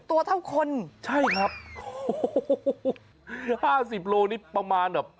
ตัวเท่าคนใช่ครับโอ้โหห้าสิบโลนี่ประมาณแบบ